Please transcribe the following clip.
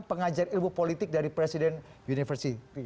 pengajar ilmu politik dari presiden universi